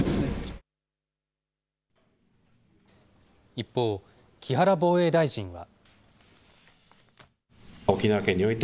一方、木原防衛大臣は。